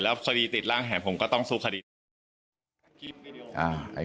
แล้วคดีติดร่างแห่งผมก็ต้องสู้คดี